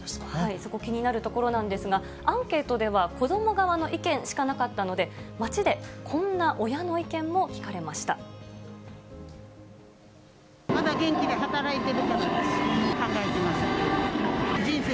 そこ、気になるところなんですが、アンケートでは、子ども側の意見しかなかったので、街でこんな親の意見も聞かれましまだ元気で働いてるから、考えていません。